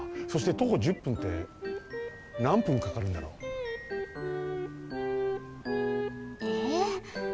そして徒歩１０分ってなん分かかるんだろう？えっ？